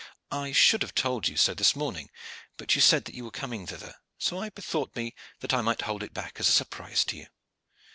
I should have told you so this morning, but you said that you were coming thither, so I bethought me that I might hold it back as a surprise to you.